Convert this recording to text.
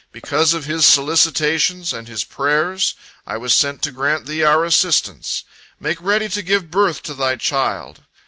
Because of his solicitations and his prayers I was sent to grant thee our assistance. Make ready to give birth to thy child!"